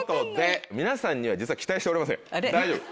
皆さんには実は期待しておりません大丈夫。